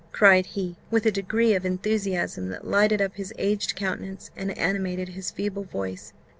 cried he, with a degree of enthusiasm that lighted up his aged countenance, and animated his feeble voice.